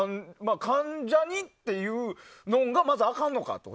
関ジャニっていうのがまずあかんのかって。